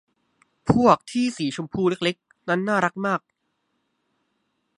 พวกที่สีชมพูเล็ก ๆ นั้นน่ารักมาก